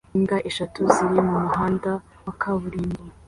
Imbwa eshatu ziri mumuhanda wa kaburimbo